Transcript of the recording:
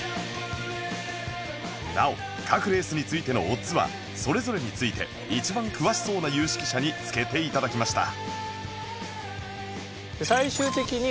なお各レースについてのオッズはそれぞれについて一番詳しそうな有識者につけていただきました